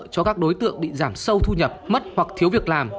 cho các đối tượng bị giảm sâu thu nhập mất hoặc thiếu việc làm